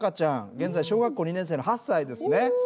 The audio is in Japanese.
現在小学校２年生の８歳ですね。